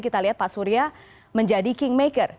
kita lihat pak surya menjadi king maker